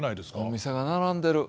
お店が並んでる。